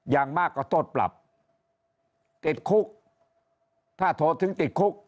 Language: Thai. อย่างมากก็โทษปรับติดคุกถ้าโทษถึงติดคุก